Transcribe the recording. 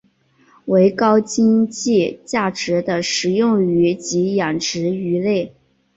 为高经济价值的食用鱼及养殖鱼类。